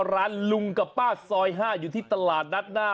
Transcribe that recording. ลุงกับป้าซอย๕อยู่ที่ตลาดนัดหน้า